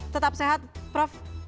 tetap sehat prof